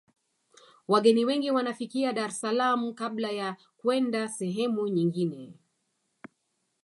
wageni wengi wanafikia dar es salaam kabla ya kwenda sehemu nyingine